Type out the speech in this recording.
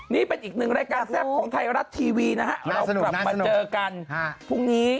นี่เป็นอีกหนึ่งรายการแซ่บของไทยรัฐทีวีนะฮะพรุ่งนี้